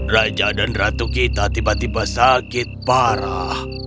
raja dan ratu kita tiba tiba sakit parah